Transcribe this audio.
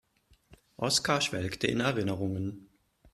Oskar schwelgte in Erinnerungen.